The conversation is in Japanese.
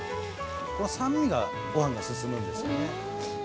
この酸味が、ごはんが進むんですよね。